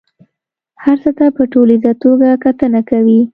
هر څه ته په ټوليزه توګه کتنه کوي.